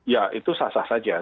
ya itu sah sah saja